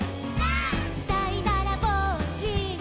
「」「だいだらぼっち」「」